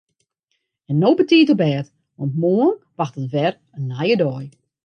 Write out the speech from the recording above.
En no betiid op bêd want moarn wachtet wer in nije dei.